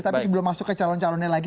tapi sebelum masuk ke calon calonnya lagi